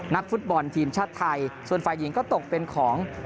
นักฟุตบอลทีมชาติไทยส่วนฝ่ายหญิงก็ตกเป็นของ